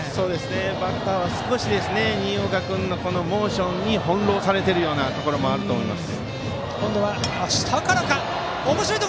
バッターは少し新岡君のモーションに翻弄されているところもあると思います。